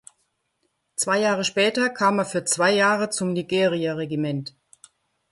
Zwei Jahre später kam er für zwei Jahre zum Nigeria Regiment.